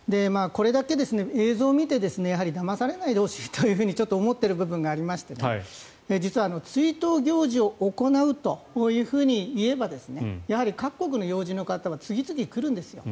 これだけ映像を見てだまされないでほしいと思っている部分がありまして実は追悼行事を行うというふうにいえばやはり各国の要人の方は次々来るんですよ。